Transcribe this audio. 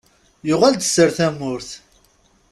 Yuɣal-d sser tamurt!